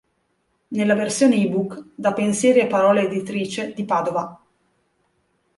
Nella versione eBook da Pensieri e Parole Editrice di Padova.